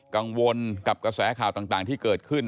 กังวลกับกระแสข่าวต่างที่เกิดขึ้น